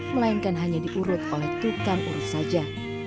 melainkan hanya diurut oleh tukang urut saja